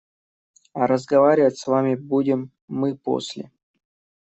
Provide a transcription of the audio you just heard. А разговаривать с вами будем мы после.